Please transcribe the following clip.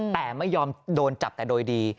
แต่ไม่ยอมโดนจับแต่โดยดี